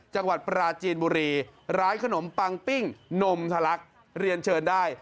จังหวัดปราจีนบุรีร้านขนมปังปิ้งนมทะลักเรียนเชิญได้